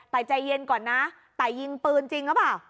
แต่ใจเย็นก่อนนะแต่ยิงปืนจริงหรือเปล่า